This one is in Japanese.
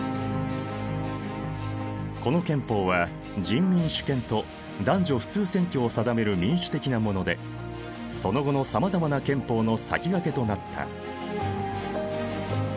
この憲法は人民主権と男女普通選挙を定める民主的なものでその後のさまざまな憲法の先駆けとなった。